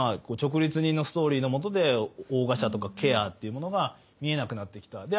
直立人のストーリーのもとで横臥者とかケアっていうものが見えなくなってきた。